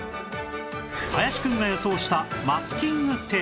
林くんが予想したマスキングテープか